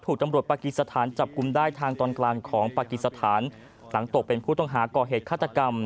ตำรวจปากีสถานจับกลุ่มได้ทางตอนกลางของปากีสถานหลังตกเป็นผู้ต้องหาก่อเหตุฆาตกรรม